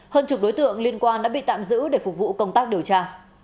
hơn chục đối tượng liên quan đã bị tạm giữ để phục vụ công tác điều tra